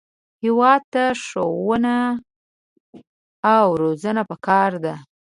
هېواد ته ښوونه او روزنه پکار ده